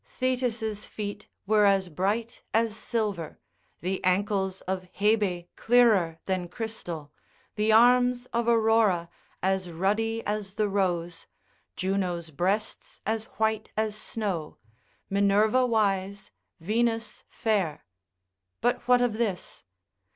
Thetis' feet were as bright as silver, the ankles of Hebe clearer than crystal, the arms of Aurora as ruddy as the rose, Juno's breasts as white as snow, Minerva wise, Venus fair; but what of this?